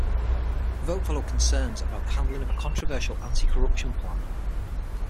The vote followed concerns about the handling of a controversial anti-corruption plan.